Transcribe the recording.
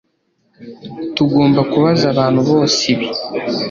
Tugomba kubaza abantu bose ibi